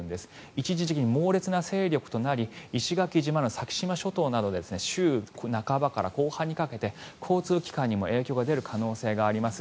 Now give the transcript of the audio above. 一時的に猛烈な勢力となり石垣島など先島諸島で週半ばから後半にかけて交通機関にも影響が出る可能性があります。